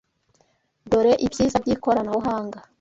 Dore ibyiza by’ikoranabuhanga!